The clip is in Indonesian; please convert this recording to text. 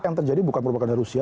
yang terjadi bukan propaganda rusia